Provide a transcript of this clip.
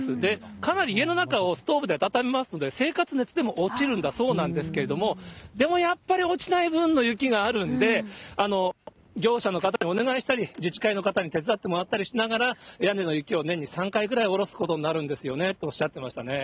かなり家の中をストーブで暖めますので、生活熱でも落ちるんだそうですけども、でもやっぱり、落ちない分の雪があるんで、業者の方にお願いしたり、自治会の方に手伝ってもらったりしながら、屋根の雪を年に３回ぐらい降ろすことになるんですよねとおっしゃってましたね。